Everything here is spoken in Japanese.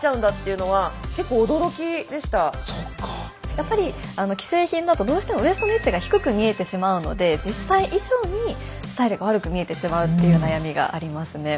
やっぱり既製品だとどうしてもウエストの位置が低く見えてしまうので実際以上にスタイルが悪く見えてしまうっていう悩みがありますね。